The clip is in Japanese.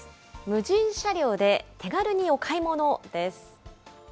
無人車両で手軽にお買い物です。